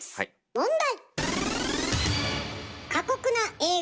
問題！